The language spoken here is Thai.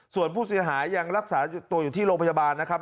ส่วนผู้เสียหายยังรักษาตัวอยู่ที่โรงพยาบาลนะครับ